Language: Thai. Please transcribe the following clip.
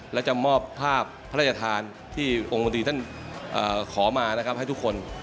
และจะมอบภาพพระราชธานที่องค์บันดีท่านขอมาให้ทุกคน